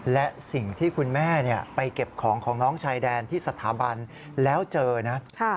และสิ่งที่คุณแม่ไปเก็บของของน้องชายแดนที่สถาบันแล้วเจอนะ